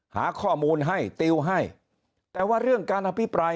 หาข้อมูลให้ติวให้แต่ว่าเรื่องการอภิปราย